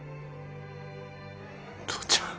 父ちゃん。